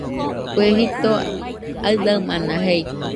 Kue jito aɨdaɨmana jeikɨga